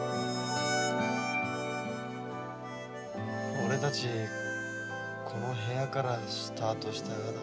俺たちこの部屋からスタートしたがだな。